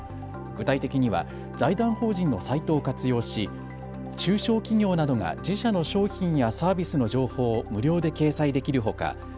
具体的には財団法人のサイトを活用し中小企業などが自社の商品やサービスの情報を無料で掲載できるほか